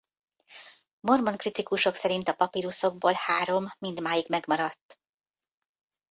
Mormon kritikusok szerint a papiruszokból három mindmáig megmaradt.